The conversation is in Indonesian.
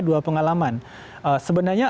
dua pengalaman sebenarnya